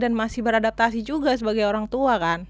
masih beradaptasi juga sebagai orang tua kan